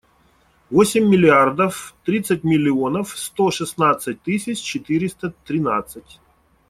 Восемь миллиардов тридцать миллионов сто шестнадцать тысяч четыреста тринадцать.